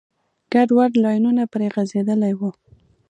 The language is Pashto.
ګډوډ لاینونه پرې غځېدلي وو.